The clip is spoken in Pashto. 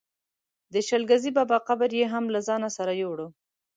د شل ګزي بابا قبر یې هم له ځانه سره یووړ.